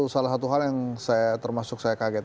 salah satu hal yang saya termasuk saya kaget